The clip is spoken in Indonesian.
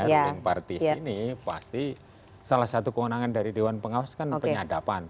ruming partis ini pasti salah satu kewenangan dari dewan pengawas kan penyadapan